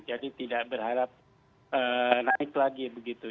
jadi tidak berharap naik lagi begitu